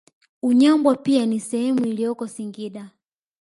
Unyambwa pia ni sehemu iliyoko Singida